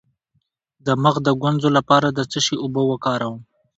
د مخ د ګونځو لپاره د څه شي اوبه وکاروم؟